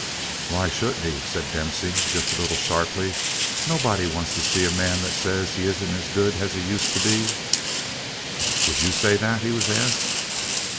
"Why shouldn't he?" said Dempsey just a little sharply. "Nobody wants to see a man that says he isn't as good as he used to be." "Would you say that?" he was asked.